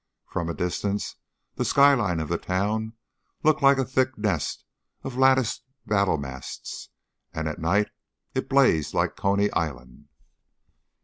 From a distance, the sky line of the town looked like a thick nest of lattice battle masts, and at night it blazed like Coney Island.